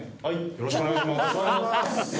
よろしくお願いします。